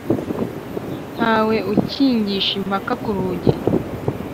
Ntawe ukingisha impaka kurugi